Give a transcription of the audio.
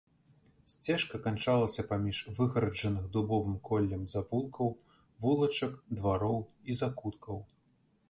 Сцежка канчалася паміж выгараджаных дубовым коллем завулкаў, вулачак, двароў і закуткаў.